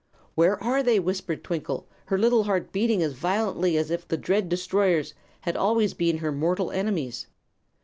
"Where are they?" whispered Twinkle, her little heart beating as violently as if the dread destroyers had always been her mortal enemies.